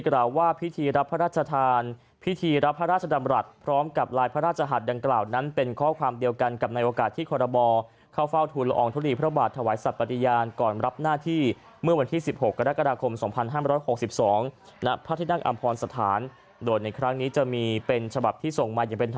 กล่าวว่าพิธีรับพระราชทานพิธีรับพระราชดำรัฐพร้อมกับลายพระราชหัสดังกล่าวนั้นเป็นข้อความเดียวกันกับในโอกาสที่คอรมอเข้าเฝ้าทุนละอองทุลีพระบาทถวายสัตว์ปฏิญาณก่อนรับหน้าที่เมื่อวันที่๑๖กรกฎาคม๒๕๖๒ณพระที่นั่งอำพรสถานโดยในครั้งนี้จะมีเป็นฉบับที่ส่งมาอย่างเป็น